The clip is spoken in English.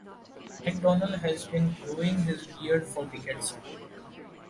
McDonald has been growing his beard for decades.